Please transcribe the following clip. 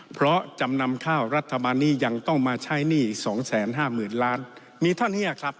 เพราะจำนำข้าวรัฐบาลนี่ยังต้องมาใช้หนี้สองแสนห้าหมื่นล้าน